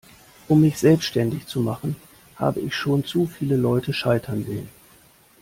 Um mich selbstständig zu machen, habe ich schon zu viele Leute scheitern sehen.